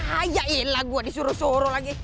ayai lah gua disuruh soro lagi